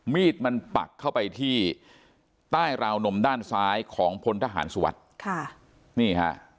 มีดมันปักเข้าไปที่ใต้ราวนมด้านซ้ายของพลทหารสุวัสดิ์ค่ะนี่ฮะ